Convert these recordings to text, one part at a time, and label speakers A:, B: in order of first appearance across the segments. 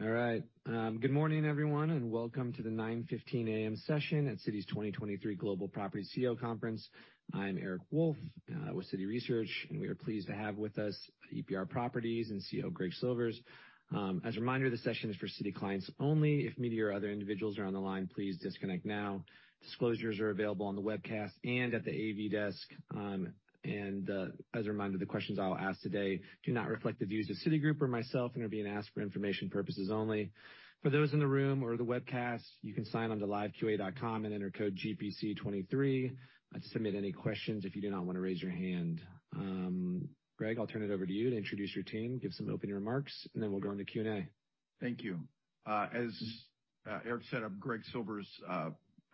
A: All right. Good morning, everyone, welcome to the 9:15 A.M. session at Citi's 2023 Global Property CEO Conference. I'm Eric Wolfe with Citi Research, we are pleased to have with us EPR Properties and CEO Greg Silvers. As a reminder, this session is for Citi clients only. If media or other individuals are on the line, please disconnect now. Disclosures are available on the webcast and at the AV desk. As a reminder, the questions I'll ask today do not reflect the views of Citigroup or myself and are being asked for information purposes only. For those in the room or the webcast, you can sign on to liveqa.com and enter code GPC23 to submit any questions if you do not wanna raise your hand. Greg, I'll turn it over to you to introduce your team, give some opening remarks, and then we'll go into Q&A.
B: Thank you. As Eric said, I'm Greg Silvers,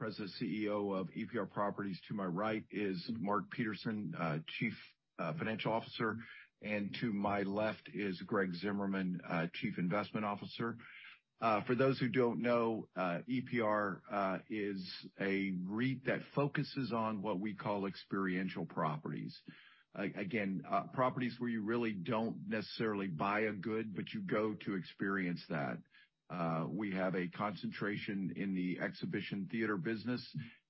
B: President and CEO of EPR Properties. To my right is Mark Peterson, Chief Financial Officer, and to my left is Greg Zimmerman, Chief Investment Officer. For those who don't know, EPR is a REIT that focuses on what we call experiential properties. Again, properties where you really don't necessarily buy a good, but you go to experience that. We have a concentration in the exhibition theater business,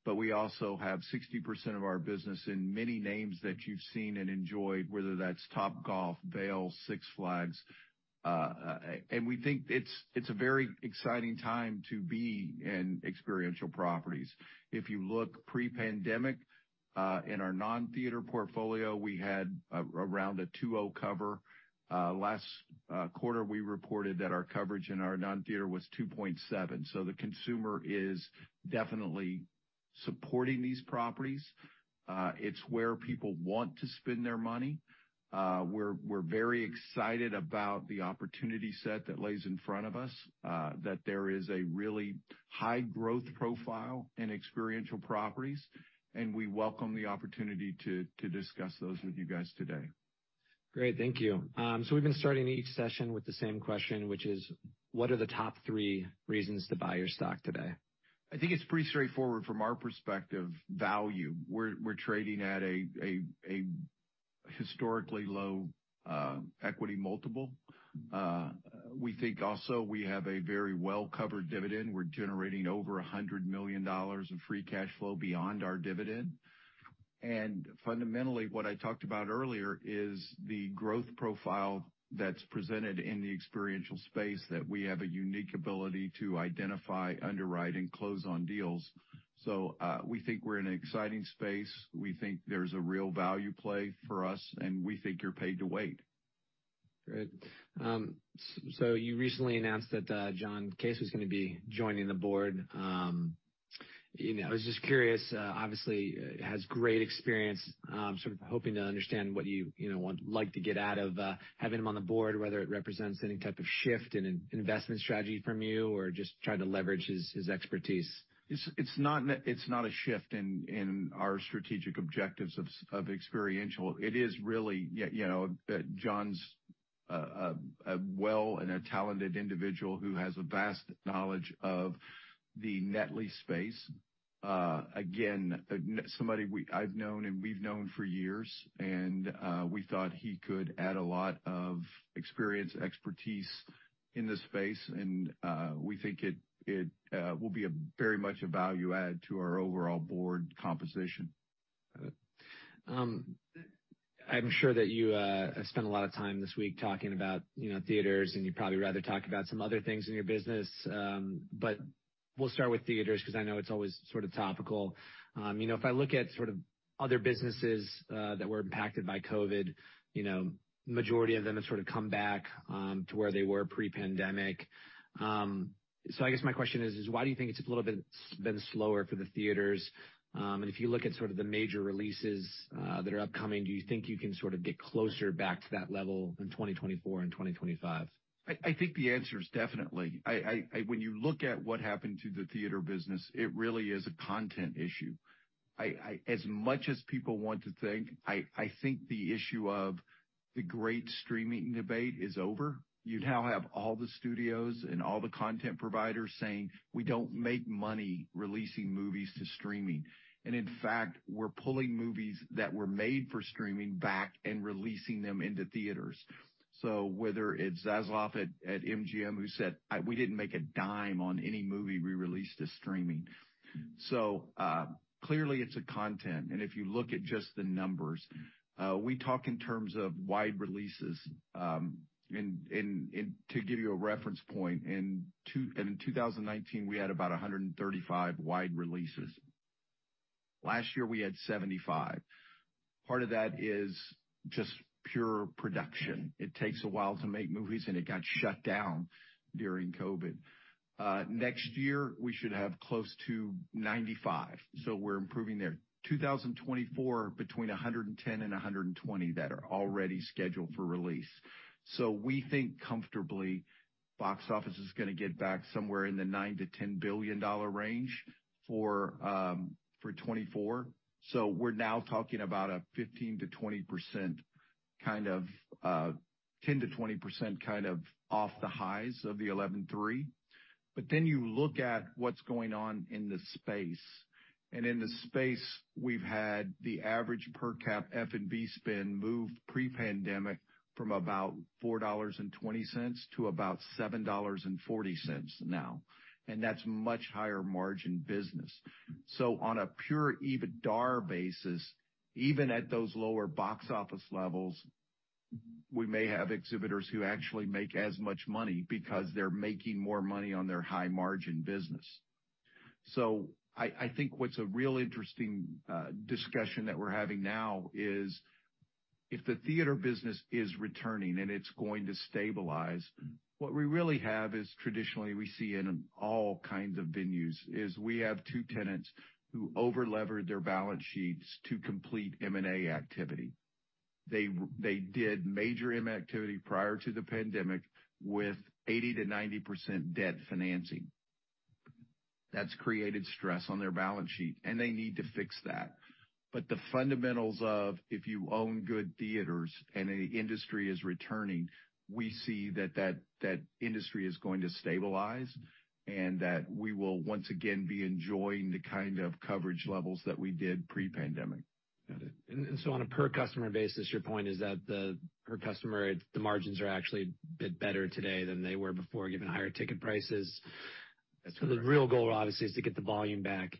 B: but we also have 60% of our business in many names that you've seen and enjoyed, whether that's Topgolf, Vail, Six Flags. We think it's a very exciting time to be in experiential properties. If you look pre-pandemic, in our non-theater portfolio, we had around a 2.0 cover. Last quarter, we reported that our coverage in our non-theater was 2.7. The consumer is definitely supporting these properties. It's where people want to spend their money. We're very excited about the opportunity set that lays in front of us, that there is a really high growth profile in experiential properties, and we welcome the opportunity to discuss those with you guys today.
A: Great. Thank you. We've been starting each session with the same question, which is: What are the top three reasons to buy your stock today?
B: I think it's pretty straightforward from our perspective, value. We're trading at a historically low equity multiple. We think also we have a very well-covered dividend. We're generating over $100 million of free cash flow beyond our dividend. Fundamentally, what I talked about earlier is the growth profile that's presented in the experiential space that we have a unique ability to identify, underwrite, and close on deals. We think we're in an exciting space. We think there's a real value play for us, and we think you're paid to wait.
A: Great. So you recently announced that John Case was gonna be joining the board. You know, I was just curious, obviously, has great experience, sort of hoping to understand what you know, like to get out of having him on the board, whether it represents any type of shift in an investment strategy from you or just trying to leverage his expertise.
B: It's not a shift in our strategic objectives of experiential. It is really, you know, John's a well and a talented individual who has a vast knowledge of the net lease space. Again, somebody I've known and we've known for years. We thought he could add a lot of experience, expertise in this space. We think it will be a very much a value add to our overall board composition.
A: Got it. I'm sure that you spent a lot of time this week talking about, you know, theaters, and you'd probably rather talk about some other things in your business. We'll start with theaters 'cause I know it's always sort of topical. You know, if I look at sort of other businesses that were impacted by COVID, you know, majority of them have sort of come back to where they were pre-pandemic. I guess my question is why do you think it's a little bit been slower for the theaters? If you look at sort of the major releases that are upcoming, do you think you can sort of get closer back to that level in 2024 and 2025?
B: I think the answer is definitely. When you look at what happened to the theater business, it really is a content issue. As much as people want to think, I think the issue of the great streaming debate is over. You now have all the studios and all the content providers saying, "We don't make money releasing movies to streaming." In fact, we're pulling movies that were made for streaming back and releasing them into theaters. Whether it's Zaslav at MGM who said, "We didn't make a dime on any movie we released to streaming." Clearly it's a content, and if you look at just the numbers, we talk in terms of wide releases, and to give you a reference point, in two... In 2019, we had about 135 wide releases. Last year, we had 75. Part of that is just pure production. It takes a while to make movies, and it got shut down during COVID. Next year, we should have close to 95, we're improving there. 2024, between 110 and 120 that are already scheduled for release. We think comfortably box office is gonna get back somewhere in the $9 billion-$10 billion range for 2024. We're now talking about a 15%-20% kind of, 10%-20% kind of off the highs of the $11.3 billion. You look at what's going on in the space. In the space, we've had the average per cap F&B spend move pre-pandemic from about $4.20 to about $7.40 now. That's much higher margin business. On a pure EBITDAR basis, even at those lower box office levels, we may have exhibitors who actually make as much money because they're making more money on their high margin business. I think what's a real interesting discussion that we're having now is if the theater business is returning and it's going to stabilize, what we really have is traditionally we see in all kinds of venues, is we have two tenants who over-levered their balance sheets to complete M&A activity. They did major M&A activity prior to the pandemic with 80%-90% debt financing. That's created stress on their balance sheet, and they need to fix that. The fundamentals of if you own good theaters and the industry is returning, we see that industry is going to stabilize and that we will once again be enjoying the kind of coverage levels that we did pre-pandemic.
A: On a per customer basis, your point is that the per customer, the margins are actually a bit better today than they were before, given higher ticket prices.
B: That's correct.
A: The real goal obviously is to get the volume back.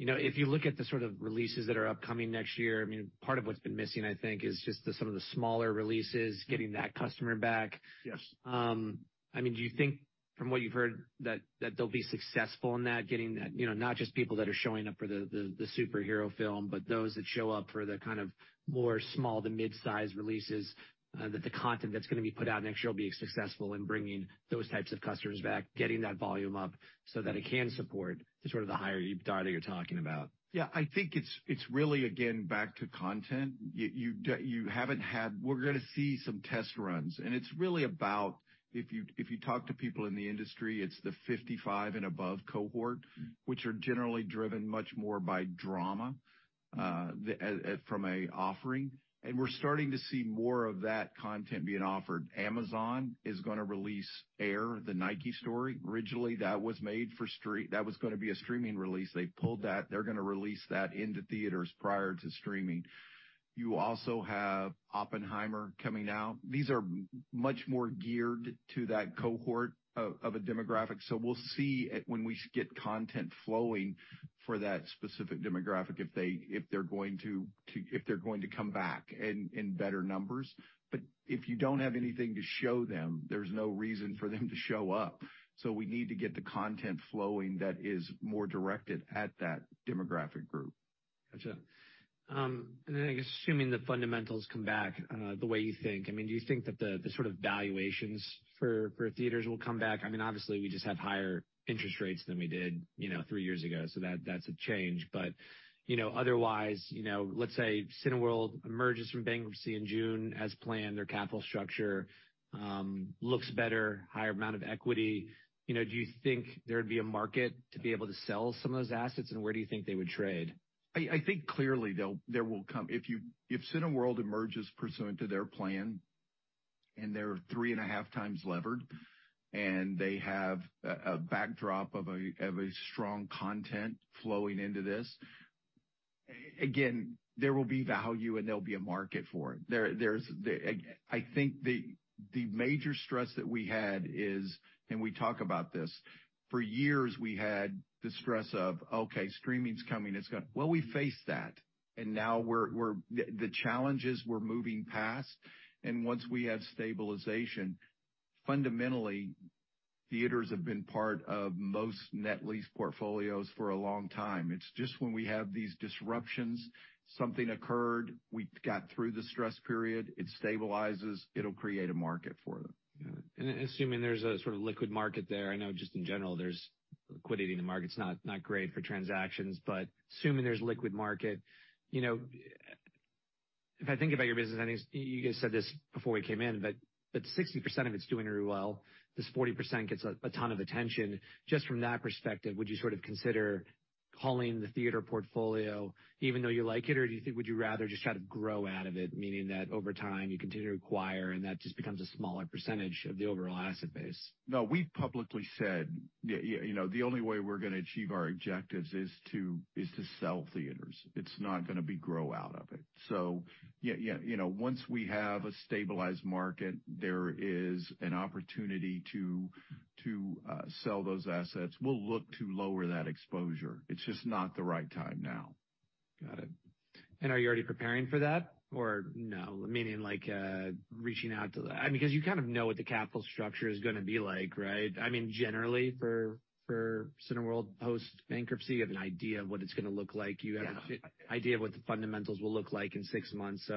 A: You know, if you look at the sort of releases that are upcoming next year, I mean, part of what's been missing, I think, is just some of the smaller releases, getting that customer back.
B: Yes.
A: I mean, do you think from what you've heard that they'll be successful in that, getting that, you know, not just people that are showing up for the superhero film, but those that show up for the kind of more small to mid-size releases, that the content that's gonna be put out next year will be successful in bringing those types of customers back, getting that volume up so that it can support the sort of the higher EBITDA that you're talking about?
B: I think it's really, again, back to content. You haven't had. We're gonna see some test runs. It's really about if you talk to people in the industry, it's the 55 and above cohort, which are generally driven much more by drama from a offering. We're starting to see more of that content being offered. Amazon is gonna release Air, the Nike story. Originally, that was made for that was gonna be a streaming release. They pulled that. They're gonna release that into theaters prior to streaming. You also have Oppenheimer coming out. These are much more geared to that cohort of a demographic. We'll see when we get content flowing for that specific demographic, if they're going to come back in better numbers. If you don't have anything to show them, there's no reason for them to show up. We need to get the content flowing that is more directed at that demographic group.
A: Gotcha. I guess assuming the fundamentals come back, the way you think, I mean, do you think that the sort of valuations for theaters will come back? I mean, obviously we just have higher interest rates than we did, you know, three years ago, so that's a change. You know, otherwise, you know, let's say Cineworld emerges from bankruptcy in June as planned. Their capital structure looks better, higher amount of equity. You know, do you think there'd be a market to be able to sell some of those assets, and where do you think they would trade?
B: I think clearly there will come. If Cineworld emerges pursuant to their plan and they're 3.5 times levered, and they have a backdrop of a strong content flowing into this, again, there will be value and there'll be a market for it. There's. I think the major stress that we had is, and we talk about this, for years, we had the stress of, okay, streaming's coming, it's gonna. Well, we faced that, and now we're the challenges we're moving past, and once we have stabilization, fundamentally, theaters have been part of most net lease portfolios for a long time. It's just when we have these disruptions, something occurred, we got through the stress period, it stabilizes, it'll create a market for them.
A: Got it. Assuming there's a sort of liquid market there, I know just in general, there's liquidity in the market's not great for transactions, but assuming there's liquid market, you know, if I think about your business, I think you guys said this before we came in, 60% of it's doing really well. This 40% gets a ton of attention. Just from that perspective, would you sort of consider calling the theater portfolio even though you like it? Or do you think would you rather just try to grow out of it, meaning that over time you continue to acquire and that just becomes a smaller percentage of the overall asset base?
B: No, we've publicly said, you know, the only way we're gonna achieve our objectives is to sell theaters. It's not gonna be grow out of it. Yeah, you know, once we have a stabilized market, there is an opportunity to sell those assets. We'll look to lower that exposure. It's just not the right time now.
A: Got it. Are you already preparing for that or no? Meaning like, reaching out to the... I mean, 'cause you kind of know what the capital structure is gonna be like, right? I mean, generally, for Cineworld post-bankruptcy, you have an idea of what it's gonna look like.
B: Yeah.
A: You have an idea of what the fundamentals will look like in six months.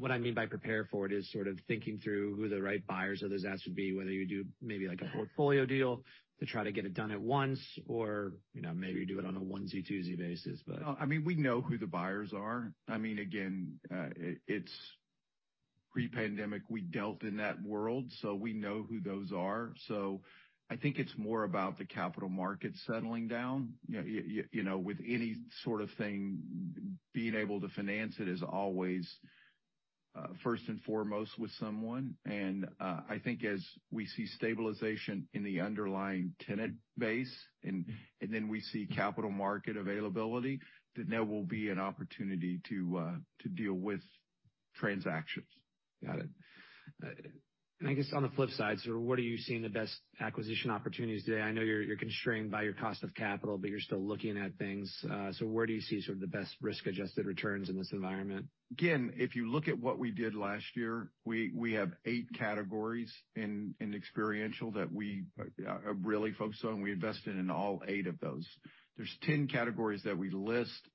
A: What I mean by prepare for it is sort of thinking through who the right buyers of those assets would be, whether you do maybe like a portfolio deal to try to get it done at once or, you know, maybe do it on a onesie-twosie basis.
B: No, I mean, we know who the buyers are. I mean, again, it's pre-pandemic, we dealt in that world, so we know who those are. I think it's more about the capital market settling down. You know, with any sort of thing, being able to finance it is always first and foremost with someone. I think as we see stabilization in the underlying tenant base and, then we see capital market availability, then there will be an opportunity to deal with transactions.
A: Got it. I guess on the flip side, what are you seeing the best acquisition opportunities today? I know you're constrained by your cost of capital, but you're still looking at things. Where do you see sort of the best risk-adjusted returns in this environment?
B: If you look at what we did last year, we have eight categories in experiential that we really focus on. We invested in all eight of those. There's 10 categories that we list.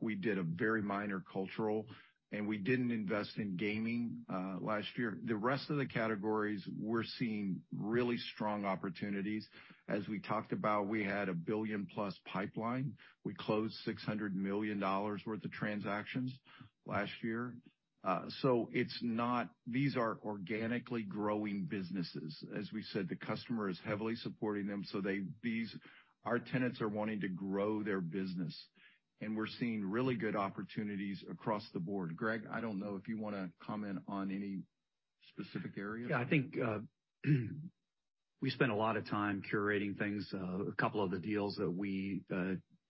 B: We did a very minor cultural, and we didn't invest in gaming last year. The rest of the categories, we're seeing really strong opportunities. As we talked about, we had a $1 billion+ pipeline. We closed $600 million worth of transactions last year. These are organically growing businesses. As we said, the customer is heavily supporting them, so our tenants are wanting to grow their business, and we're seeing really good opportunities across the board. Greg, I don't know if you wanna comment on any specific area.
C: Yeah. I think, we spent a lot of time curating things. A couple of the deals that we,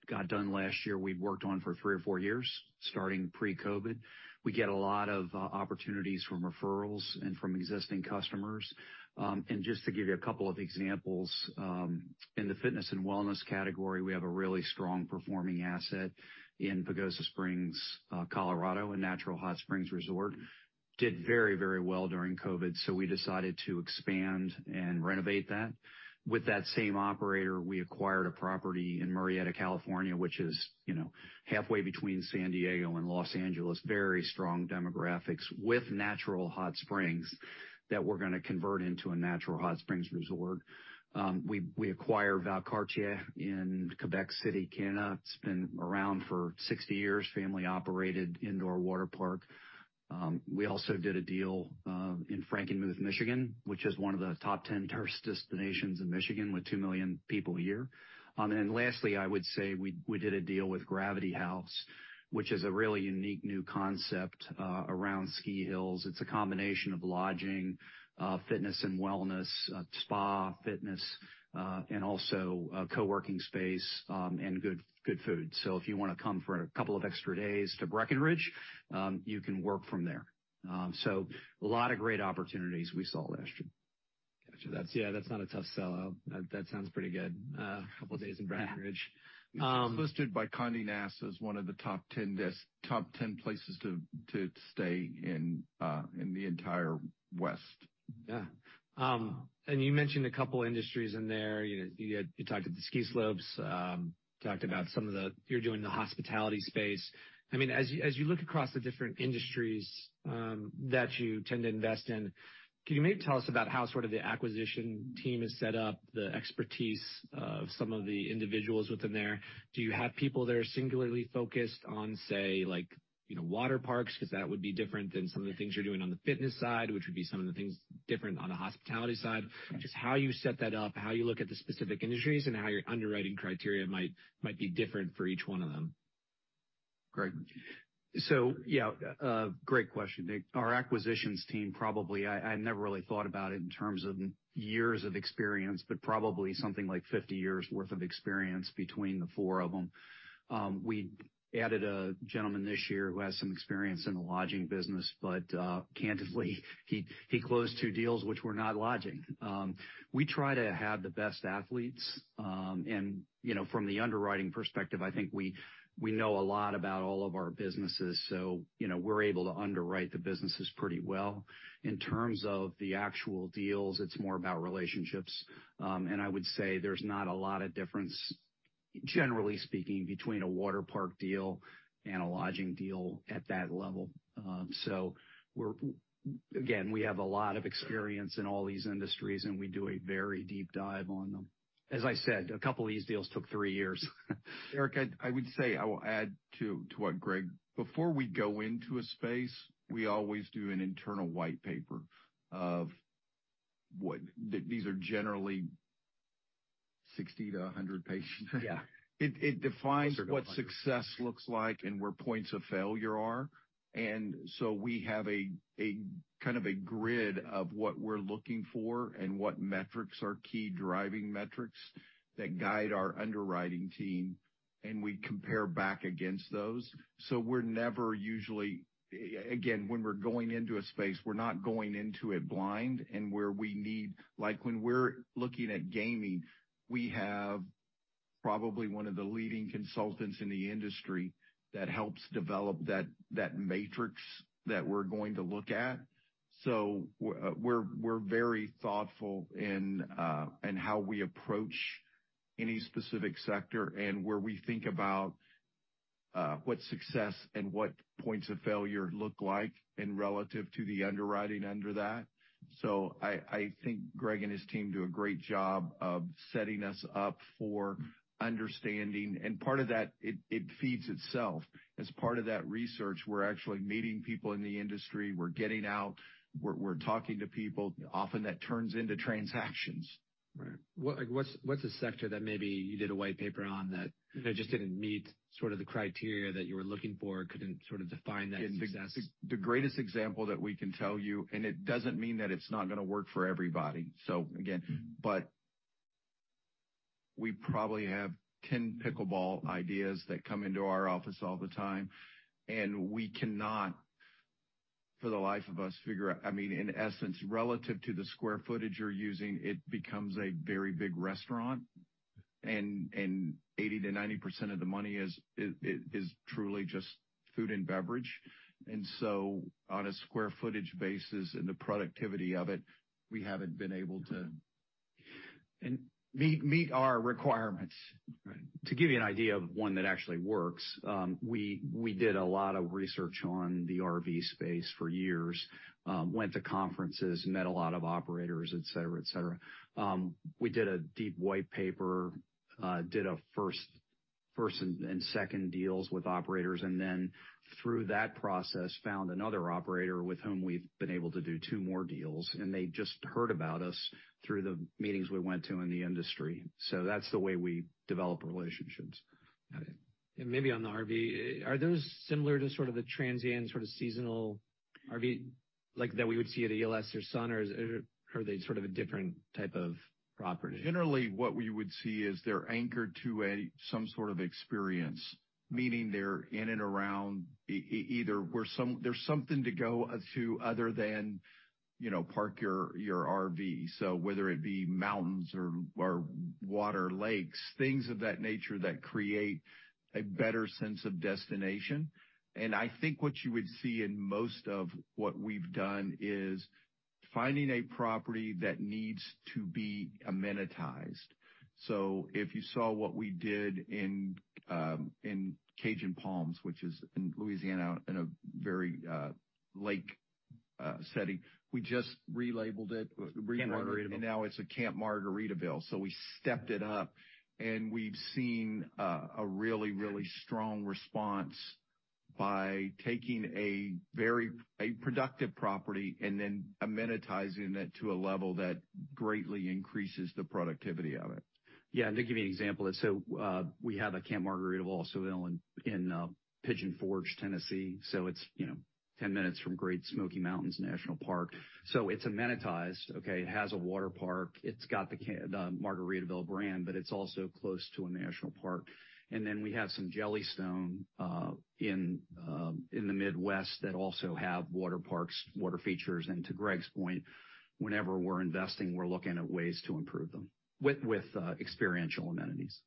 C: got done last year, we worked on for three or four years, starting pre-COVID. We get a lot of, opportunities from referrals and from existing customers. Just to give you a couple of examples, in the fitness and wellness category, we have a really strong performing asset in Pagosa Springs, Colorado, a natural hot springs resort. Did very, very well during COVID, so we decided to expand and renovate that. With that same operator, we acquired a property in Murrieta, California, which is, you know, halfway between San Diego and Los Angeles, very strong demographics with natural hot springs that we're gonna convert into a natural hot springs resort. We, we acquired Valcartier in Quebec City, Canada. It's been around for 60 years, family-operated indoor water park. We also did a deal in Frankenmuth, Michigan, which is one of the top 10 tourist destinations in Michigan with 2 million people a year. Lastly, I would say we did a deal with Gravity Haus, which is a really unique new concept around ski hills. It's a combination of lodging, fitness and wellness, spa, fitness, and also co-working space, and good food. If you wanna come for a couple of extra days to Breckenridge, you can work from there. A lot of great opportunities we saw last year.
A: Gotcha. That's, yeah, that's not a tough sell. That sounds pretty good. A couple days in Breckenridge.
B: It's listed by Condé Nast as one of the top 10 places to stay in the entire West.
A: You mentioned a couple industries in there. You know, you talked at the ski slopes, You're doing the hospitality space. I mean, as you, as you look across the different industries that you tend to invest in, can you maybe tell us about how sort of the acquisition team is set up, the expertise of some of the individuals within there? Do you have people that are singularly focused on, say, like, you know, water parks? 'Cause that would be different than some of the things you're doing on the fitness side, which would be some of the things different on the hospitality side. Just how you set that up, how you look at the specific industries, and how your underwriting criteria might be different for each one of them.
C: Great. Yeah, a great question. Our acquisitions team probably, I never really thought about it in terms of years of experience, but probably something like 50 years' worth of experience between the four of them. We added a gentleman this year who has some experience in the lodging business, but candidly, he closed two deals which were not lodging. We try to have the best athletes, and, you know, from the underwriting perspective, I think we know a lot about all of our businesses, so, you know, we're able to underwrite the businesses pretty well. In terms of the actual deals, it's more about relationships. I would say there's not a lot of difference, generally speaking, between a water park deal and a lodging deal at that level. Again, we have a lot of experience in all these industries, and we do a very deep dive on them. As I said, a couple of these deals took three years.
B: Eric, I would say, I will add to what Greg. Before we go into a space, we always do an internal white paper. These are generally 60 pages to 100 pages.
C: Yeah.
B: It defines what success looks like and where points of failure are. We have a kind of a grid of what we're looking for and what metrics are key driving metrics that guide our underwriting team, and we compare back against those. We're never again, when we're going into a space, we're not going into it blind and like when we're looking at gaming, we have probably one of the leading consultants in the industry that helps develop that matrix that we're going to look at. We're very thoughtful in how we approach any specific sector and where we think about what success and what points of failure look like and relative to the underwriting under that. I think Greg and his team do a great job of setting us up for understanding. And part of that, it feeds itself. As part of that research, we're actually meeting people in the industry, we're getting out, we're talking to people. Often that turns into transactions.
A: Right. What, like, what's a sector that maybe you did a white paper on that, you know, just didn't meet sort of the criteria that you were looking for, couldn't sort of define that success?
C: The greatest example that we can tell you, it doesn't mean that it's not gonna work for everybody, so again. We probably have 10 pickleball ideas that come into our office all the time, and we cannot, for the life of us, figure out. I mean, in essence, relative to the square footage you're using, it becomes a very big restaurant. 80%-90% of the money is truly just food and beverage. On a square footage basis and the productivity of it, we haven't been able to meet our requirements.
B: Right. To give you an idea of one that actually works, we did a lot of research on the RV space for years, went to conferences, met a lot of operators, et cetera, et cetera. We did a deep white paper, did a first and second deals with operators, and then through that process, found another operator with whom we've been able to do two more deals, and they just heard about us through the meetings we went to in the industry. That's the way we develop relationships.
A: Got it. Maybe on the RV, are those similar to sort of the transient, sort of seasonal RV like that we would see at ELS or Sun, or are they sort of a different type of property?
B: Generally, what we would see is they're anchored to a, some sort of experience, meaning they're in and around either where there's something to go to other than, you know, park your RV. Whether it be mountains or water, lakes, things of that nature that create a better sense of destination. I think what you would see in most of what we've done is finding a property that needs to be amenitized. If you saw what we did in Cajun Palms, which is in Louisiana, in a very, lake, setting. We just relabeled it.
C: Camp Margaritaville.
B: Now it's a Camp Margaritaville. We stepped it up, and we've seen a really strong response by taking a very productive property and then amenitizing it to a level that greatly increases the productivity of it.
C: Yeah. To give you an example, so, we have a Camp Margaritaville, so in, Pigeon Forge, Tennessee, so it's, you know, 10 minutes from Great Smoky Mountains National Park. It's amenitized, okay? It has a water park, it's got the Margaritaville brand, but it's also close to a national park. Then we have some Jellystone, in the Midwest that also have water parks, water features. To Greg's point, whenever we're investing, we're looking at ways to improve them with, experiential amenities.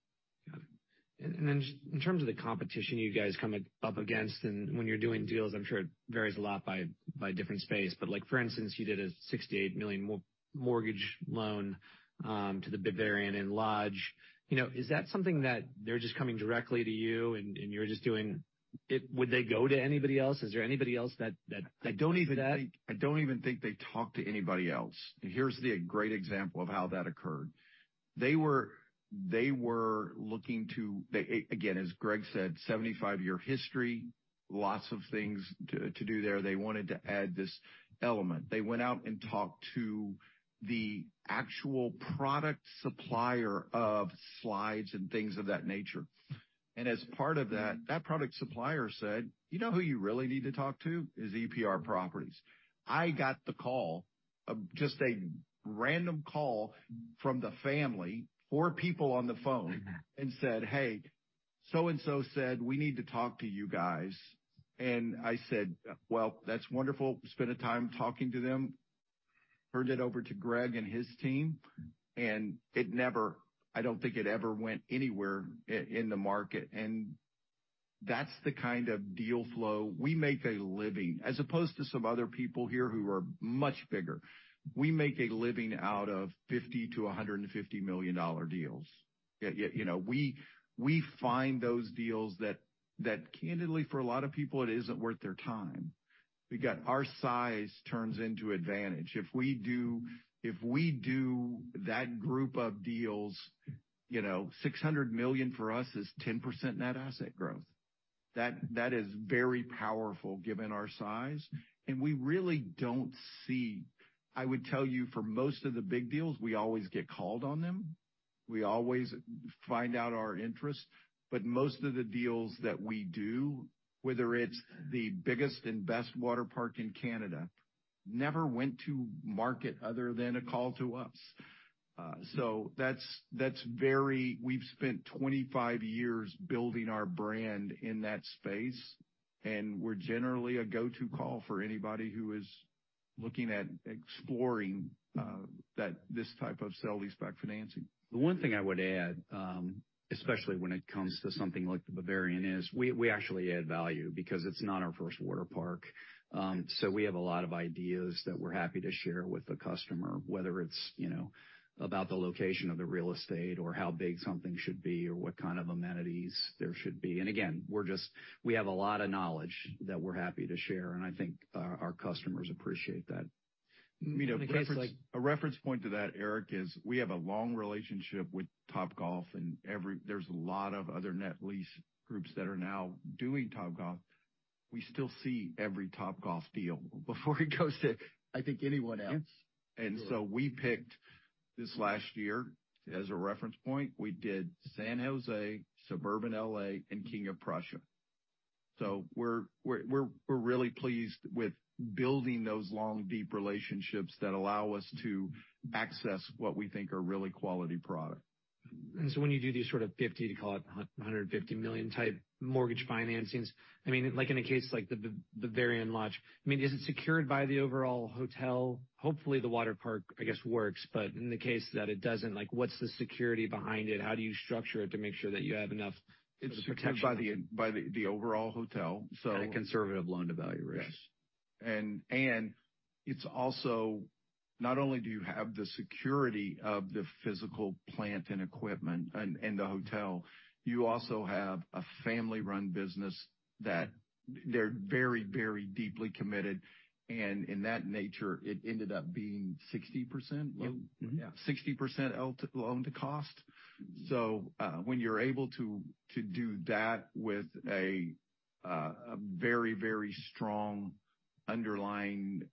A: Got it. Just in terms of the competition you guys come up against, when you're doing deals, I'm sure it varies a lot by different space, but like, for instance, you did a $68 million mortgage loan to the Bavarian Inn Lodge. You know, is that something that they're just coming directly to you and you're just doing... Would they go to anybody else? Is there anybody else that does that?
B: I don't even think they talk to anybody else. Here's the great example of how that occurred. They again, as Greg said, 75-year history, lots of things to do there. They wanted to add this element. They went out and talked to the actual product supplier of slides and things of that nature. As part of that product supplier said, "You know who you really need to talk to? Is EPR Properties." I got the call, just a random call from the family, four people on the phone, and said, "Hey, so and so said, we need to talk to you guys." I said, "Well, that's wonderful." Spent a time talking to them, turned it over to Greg and his team. I don't think it ever went anywhere in the market. That's the kind of deal flow. We make a living, as opposed to some other people here who are much bigger. We make a living out of $50 million-$150 million deals, you know? We find those deals that candidly, for a lot of people, it isn't worth their time. We got our size turns into advantage. If we do that group of deals, you know, $600 million for us is 10% net asset growth. That is very powerful given our size, and we really don't see. I would tell you for most of the big deals, we always get called on them. We always find out our interest. Most of the deals that we do, whether it's the biggest and best water park in Canada, never went to market other than a call to us. We've spent 25 years building our brand in that space, and we're generally a go-to call for anybody who is looking at exploring, that, this type of sale-leaseback financing.
C: The one thing I would add, especially when it comes to something like the Bavarian, is we actually add value because it's not our first water park. So we have a lot of ideas that we're happy to share with the customer, whether it's, you know, about the location of the real estate or how big something should be or what kind of amenities there should be. Again, we have a lot of knowledge that we're happy to share, and I think our customers appreciate that.
B: You know, a reference point to that, Eric, is we have a long relationship with Topgolf and there's a lot of other net lease groups that are now doing Topgolf. We still see every Topgolf deal before it goes to, I think, anyone else. We picked this last year as a reference point. We did San Jose, suburban L.A., and King of Prussia. We're really pleased with building those long, deep relationships that allow us to access what we think are really quality product.
A: When you do these sort of $50 million to, call it, $150 million type mortgage financings, I mean, like in a case like the Bavarian Lodge, I mean, is it secured by the overall hotel? Hopefully, the water park, I guess, works, but in the case that it doesn't, like, what's the security behind it? How do you structure it to make sure that you have enough protection?
B: It's secured by the overall hotel.
D: At a conservative loan-to-value ratio.
B: Yes. It's also not only do you have the security of the physical plant and equipment and the hotel, you also have a family-run business that they're very deeply committed. In that nature, it ended up being 60%?
D: Yeah.
B: 60% loan-to-cost. When you're able to do that with a very, very strong underlying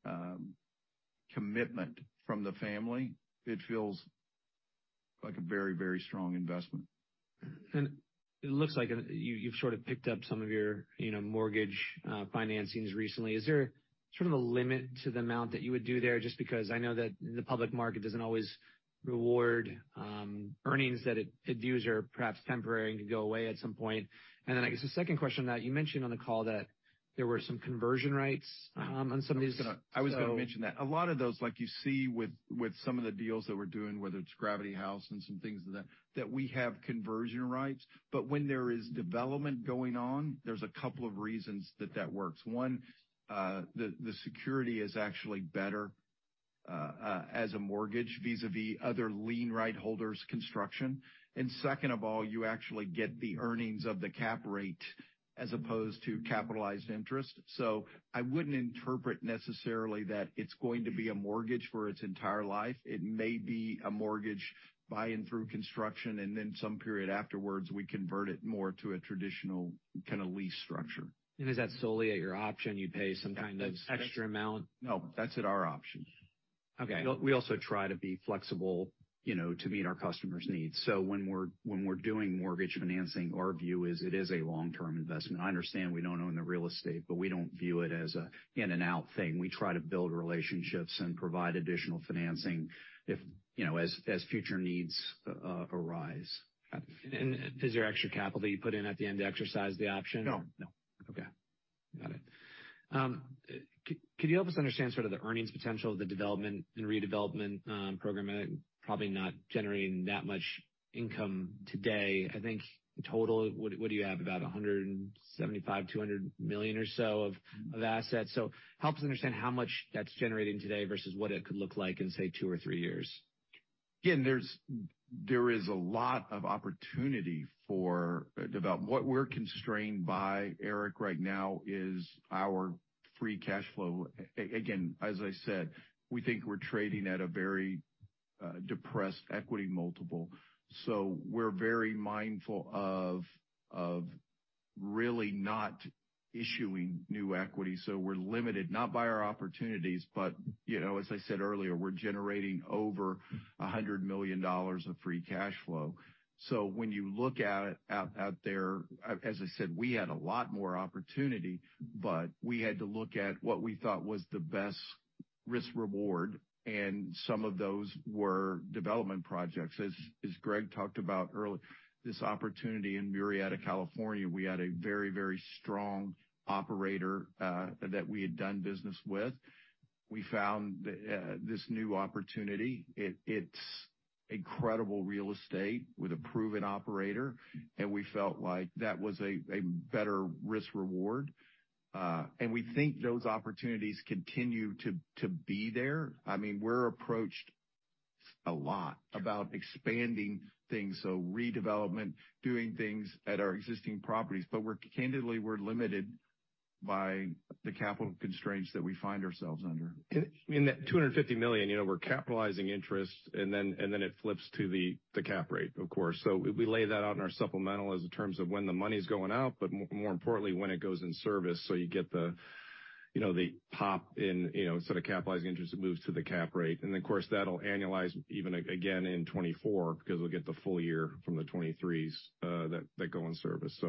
B: commitment from the family, it feels like a very, very strong investment.
A: It looks like you've sort of picked up some of your, you know, mortgage financings recently. Is there sort of a limit to the amount that you would do there? Just because I know that the public market doesn't always reward earnings that it dues or perhaps temporary and can go away at some point. I guess the second question that you mentioned on the call that there were some conversion rates on some of these.
B: I was gonna mention that. A lot of those, like you see with some of the deals that we're doing, whether it's Gravity Haus and some things like that we have conversion rights. When there is development going on, there's a couple of reasons that that works. One, the security is actually better as a mortgage vis-à-vis other lien right holders construction. Second of all, you actually get the earnings of the cap rate as opposed to capitalized interest. I wouldn't interpret necessarily that it's going to be a mortgage for its entire life. It may be a mortgage buy and through construction, and then some period afterwards, we convert it more to a traditional kinda lease structure.
A: Is that solely at your option? You pay some kind of extra amount?
B: No, that's at our option.
A: Okay.
D: We also try to be flexible, you know, to meet our customers' needs. When we're doing mortgage financing, our view is it is a long-term investment. I understand we don't own the real estate, but we don't view it as a in-and-out thing. We try to build relationships and provide additional financing if, you know, as future needs arise.
A: Is there extra capital you put in at the end to exercise the option?
B: No.
D: No.
A: Okay. Got it. Could you help us understand sort of the earnings potential of the development and redevelopment program, probably not generating that much income today? I think in total, what do you have? About $175 million-$200 million or so of assets. Help us understand how much that's generating today versus what it could look like in, say, two or three years.
B: Again, there is a lot of opportunity for development. What we're constrained by, Eric, right now is our free cash flow. Again, as I said, we think we're trading at a very depressed equity multiple. We're very mindful of really not issuing new equity. We're limited not by our opportunities, but you know, as I said earlier, we're generating over $100 million of free cash flow. When you look at it out there, as I said, we had a lot more opportunity, but we had to look at what we thought was the best risk reward, and some of those were development projects. As Greg talked about early, this opportunity in Murrieta, California, we had a very, very strong operator that we had done business with. We found this new opportunity. It's incredible real estate with a proven operator, and we felt like that was a better risk reward. We think those opportunities continue to be there. I mean, we're approached a lot about expanding things, so redevelopment, doing things at our existing properties. Candidly, we're limited by the capital constraints that we find ourselves under.
D: In that $250 million, you know, we're capitalizing interest, and then it flips to the cap rate, of course. We lay that out in our supplemental as in terms of when the money's going out, but more importantly, when it goes in service, you get the, you know, the pop in, you know. Instead of capitalizing interest, it moves to the cap rate. Then, of course, that'll annualize even again in 2024 because we'll get the full year from the 2023s that go in service.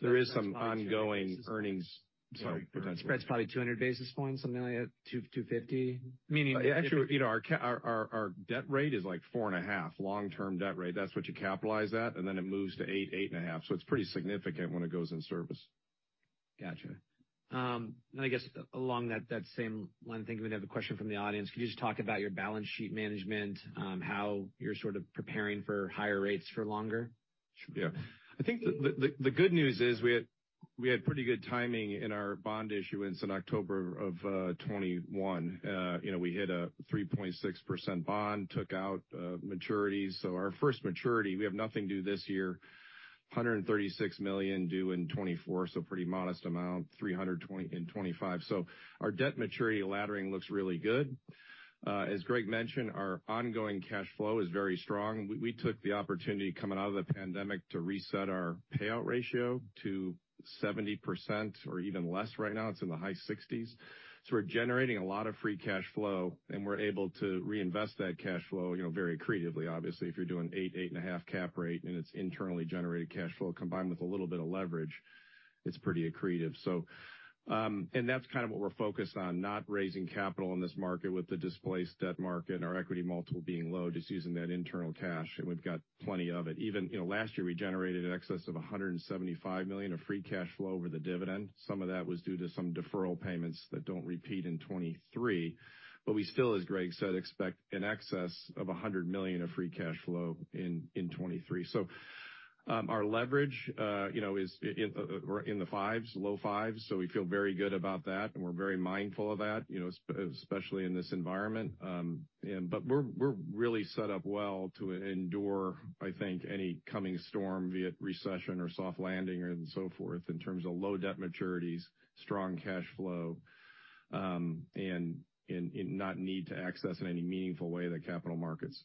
D: There is some ongoing earnings potential.
A: That's probably 200 basis points, something like 2, 250?
D: Meaning, actually, you know, our debt rate is, like, 4.5%, long-term debt rate. That's what you capitalize at, and then it moves to 8.5%. It's pretty significant when it goes in service.
A: Gotcha. I guess along that same line of thinking, we have a question from the audience. Could you just talk about your balance sheet management, how you're sort of preparing for higher rates for longer?
D: Yeah. I think the good news is we had pretty good timing in our bond issuance in October of 2021. you know, we hit a 3.6% bond, took out maturities. Our first maturity, we have nothing due this year. $136 million due in 2024, pretty modest amount, $300 million in 2025. Our debt maturity laddering looks really good. As Greg mentioned, our ongoing cash flow is very strong. We took the opportunity coming out of the pandemic to reset our payout ratio to 70% or even less, right now it's in the high 60s. We're generating a lot of free cash flow, and we're able to reinvest that cash flow, you know, very accretively. Obviously, if you're doing 8.5 cap rate, and it's internally generated cash flow combined with a little bit of leverage, it's pretty accretive. That's kind of what we're focused on, not raising capital in this market with the displaced debt market and our equity multiple being low, just using that internal cash, and we've got plenty of it. Even, you know, last year, we generated in excess of $175 million of free cash flow over the dividend. Some of that was due to some deferral payments that don't repeat in 2023. We still, as Greg said, expect in excess of $100 million of free cash flow in 2023. Our leverage, you know, is in, we're in the fives, low fives, so we feel very good about that, and we're very mindful of that, you know, especially in this environment. We're really set up well to endure, I think, any coming storm, be it recession or soft landing and so forth, in terms of low debt maturities, strong cash flow, and not need to access in any meaningful way the capital markets.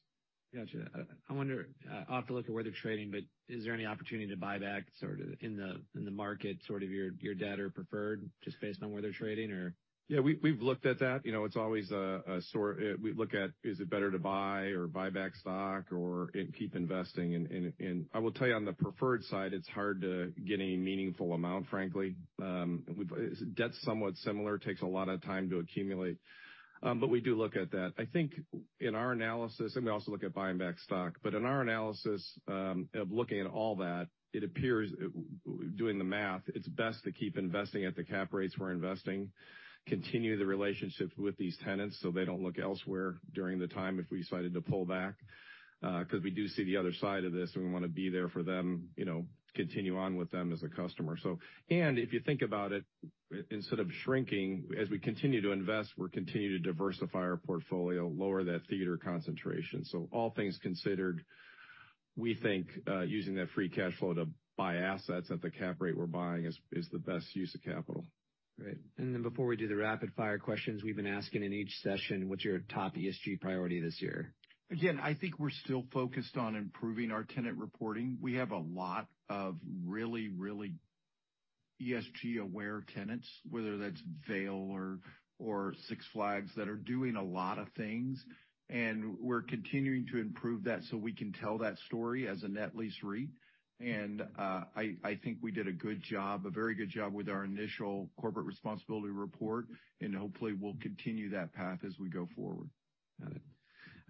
A: Gotcha. I wonder, I'll have to look at where they're trading, but is there any opportunity to buy back sort of in the market, sort of your debt or preferred, just based on where they're trading or?
D: Yeah, we've looked at that. You know, it's always a sort. We look at is it better to buy or buy back stock or keep investing. I will tell you on the preferred side, it's hard to get any meaningful amount, frankly. That's somewhat similar. It takes a lot of time to accumulate. We do look at that. I think in our analysis, and we also look at buying back stock, but in our analysis, of looking at all that, it appears, doing the math, it's best to keep investing at the cap rates we're investing, continue the relationships with these tenants so they don't look elsewhere during the time if we decided to pull back, 'cause we do see the other side of this, and we wanna be there for them, you know, continue on with them as a customer. If you think about it, instead of shrinking, as we continue to invest, we'll continue to diversify our portfolio, lower that theater concentration. All things considered, we think, using that free cash flow to buy assets at the cap rate we're buying is the best use of capital.
A: Great. Before we do the rapid fire questions we've been asking in each session, what's your top ESG priority this year?
B: I think we're still focused on improving our tenant reporting. We have a lot of really, really ESG-aware tenants, whether that's Vail or Six Flags, that are doing a lot of things, and we're continuing to improve that so we can tell that story as a net lease REIT. I think we did a good job, a very good job with our initial Corporate Responsibility Report, and hopefully, we'll continue that path as we go forward.
A: Got it.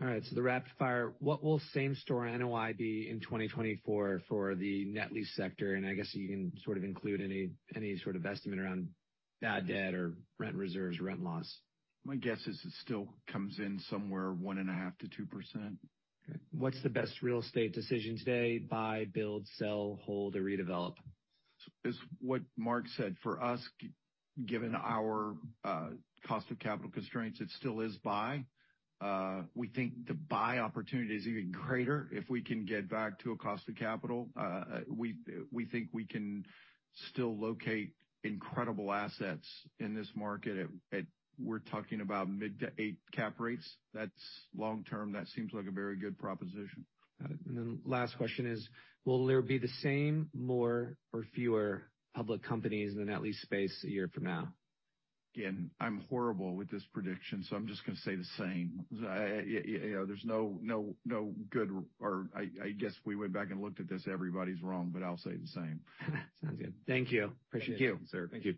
A: All right, so the rapid fire. What will same-store NOI be in 2024 for the net lease sector? I guess you can sort of include any sort of estimate around bad debt or rent reserves, rent loss.
B: My guess is it still comes in somewhere 1.5%-2%.
A: Okay. What's the best real estate decision today, buy, build, sell, hold, or redevelop?
B: It's what Mark said. For us, given our cost of capital constraints, it still is buy. We think the buy opportunity is even greater if we can get back to a cost of capital. We think we can still locate incredible assets in this market at mid to eight cap rates. That's long-term. That seems like a very good proposition.
A: Got it. Last question is, will there be the same, more, or fewer public companies in the net lease space a year from now?
B: Again, I'm horrible with this prediction, so I'm just gonna say the same. You know, there's no good or I guess if we went back and looked at this, everybody's wrong, but I'll say the same.
A: Sounds good. Thank you. Appreciate you.
B: Thank you, sir.
D: Thank you.